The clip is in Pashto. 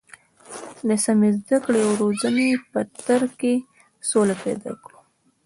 د سمې زده کړې او روزنې په تر کې سوله پیدا کړو.